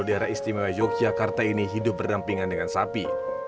daerah istimewa yogyakarta ini hidup berdampingan dengan sapi